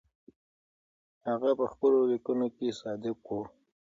هغه په خپلو لیکنو کې صادق و.